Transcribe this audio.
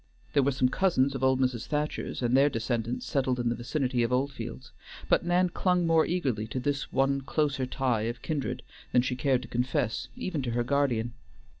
There were some cousins of old Mrs. Thacher's and their descendants settled in the vicinity of Oldfields; but Nan clung more eagerly to this one closer tie of kindred than she cared to confess even to her guardian.